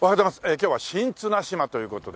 今日は新綱島という事で。